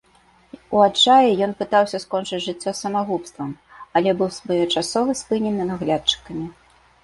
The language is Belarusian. У адчаі ён пытаўся скончыць жыццё самагубствам, але быў своечасова спынены наглядчыкамі.